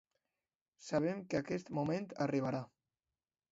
Sabem que aquest moment arribarà.